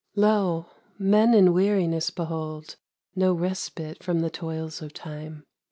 8 DEDICATION. Lo ! men in weariness behold No respite from the toils of Time.